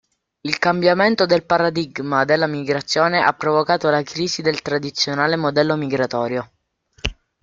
Il cambiamento del paradigma della migrazione ha provocato la crisi del tradizionale modello migratorio.